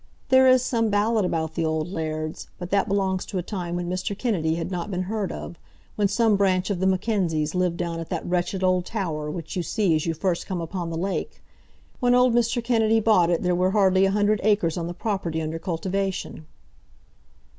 There is some ballad about the old lairds; but that belongs to a time when Mr. Kennedy had not been heard of, when some branch of the Mackenzies lived down at that wretched old tower which you see as you first come upon the lake. When old Mr. Kennedy bought it there were hardly a hundred acres on the property under cultivation."